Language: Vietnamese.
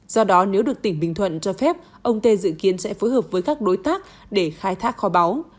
do đó nếu được tỉnh bình thuận cho phép ông tê dự kiến sẽ phối hợp với các đối tác để khai thác kho báu